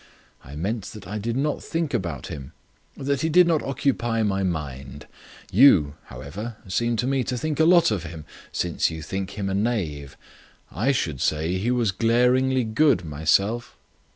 I meant that I did not think about him; that he did not occupy my mind. You, however, seem to me to think a lot of him, since you think him a knave. I should say he was glaringly good myself."